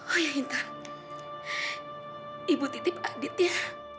oh ya intan ibu titip adit ya